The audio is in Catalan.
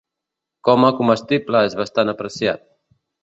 Coma comestible és bastant apreciat.